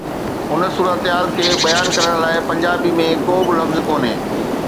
ان صورتحال کي بيان ڪرڻ لاءِ پنجابي ۾ ڪو به لفظ ڪونهي.